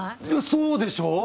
そうでしょう？